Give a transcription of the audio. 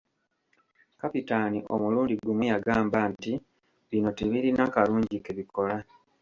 Kapitaani omulundi gumu yagamba nti Bino tibirina kalungi ke bikola.